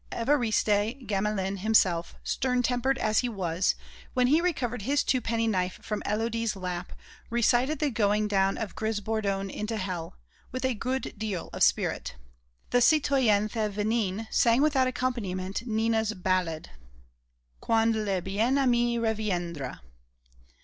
Évariste Gamelin himself, stern tempered as he was, when he recovered his twopenny knife from Élodie's lap, recited the going down of Grisbourdon into hell, with a good deal of spirit. The citoyenne Thévenin sang without accompaniment Nina's ballad: "_Quand le bien aimé reviendra.